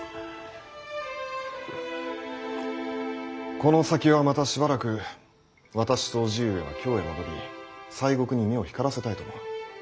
この先はまたしばらく私と叔父上は京へ戻り西国に目を光らせたいと思う。